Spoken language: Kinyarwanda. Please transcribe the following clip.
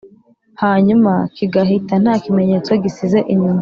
hanyuma kigahita nta kimenyetso gisize inyuma.